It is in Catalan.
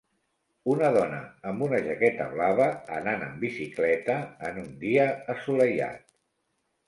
Una dona amb una jaqueta blava anant en bicicleta en un dia assolellat.